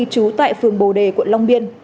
trú tại phường bồ đề quận long biên